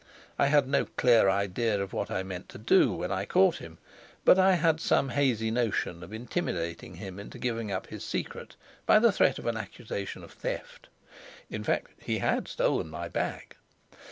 I had no clear idea of what I meant to do when I caught him, but I had some hazy notion of intimidating him into giving up his secret by the threat of an accusation of theft. In fact, he had stolen my bag.